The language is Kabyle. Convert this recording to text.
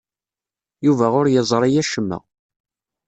Yuba ur yeẓri acemma.